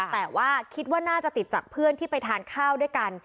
แต่ว่าคิดว่าน่าจะติดจากเพื่อนที่ไปทานข้าวด้วยกัน